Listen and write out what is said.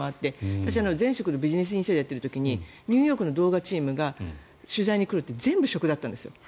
私、前職のビジネスインサイダーをやっている時にニューヨークの動画チームが取材に来ると全部、食だったんですよ。